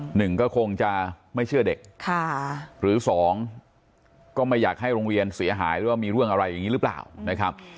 หนึ่งก็คงจะไม่เชื่อเด็กค่ะหรือสองก็ไม่อยากให้โรงเรียนเสียหายหรือว่ามีเรื่องอะไรอย่างนี้หรือเปล่านะครับ